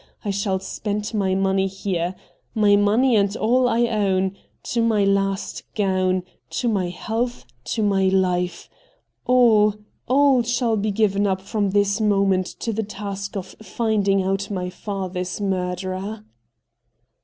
I shall spend my money here. My money and all I own — to my last gown, to my health, to my life — all, all shall be given up from this moment to the task of finding out my father's murderer